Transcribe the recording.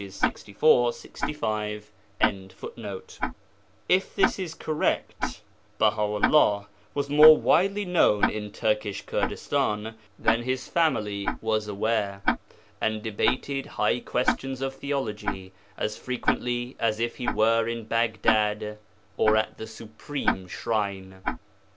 64, 65.] If this is correct, Baha 'ullah was more widely known in Turkish Kurdistan than his family was aware, and debated high questions of theology as frequently as if he were in Baghdad or at the Supreme Shrine.